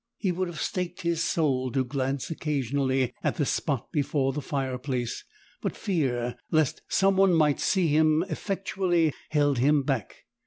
He would have staked his soul to glance occasionally at the spot before the fireplace, but fear lest some one might see him effectually held him back.